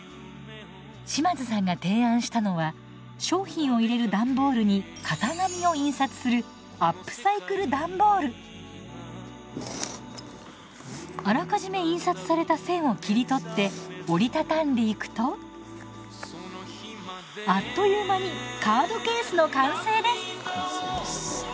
島津さんが提案したのは商品を入れる段ボールに型紙を印刷するあらかじめ印刷された線を切り取って折り畳んでいくとあっという間にカードケースの完成です！